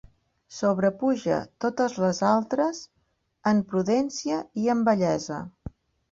Sobrepuja totes les altres en prudència i en bellesa.